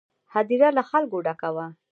هدیره له خلکو ډکه وه.